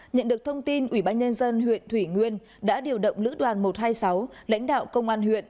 nhận được thông tin ubnd huyện thủy nguyên đã điều động lữ đoàn một trăm hai mươi sáu lãnh đạo công an huyện